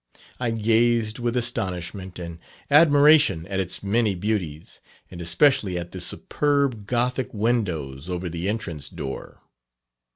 I gazed with astonishment and admiration at its many beauties, and especially at the superb gothic windows over the entrance door.